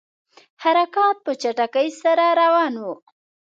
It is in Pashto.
حرکات په چټکۍ سره روان وه.